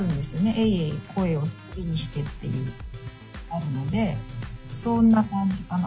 「えいえい声を忍びにして」っていうあるのでそんな感じかな。